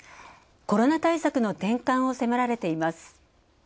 コロナ対策の転換を迫られています。